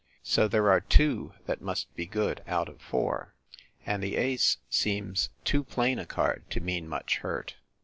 So there are two that must be good out of four; and the ace seems too plain a card to mean much hurt.